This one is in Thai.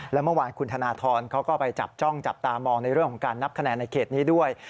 และเมื่อวานคุณธนทรเขาก็ไปจับจ้องจับตามองในเรื่องของการนับคะแนนในเขตนี้ด้วย